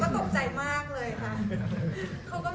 เขาก็ตกใจมากเลยค่ะ